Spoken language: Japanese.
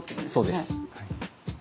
◆そうです。